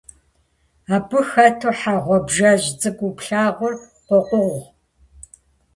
Абы хэту, хьэ гъуабжэжь цӀыкӀуу плъагъур къокъугъ.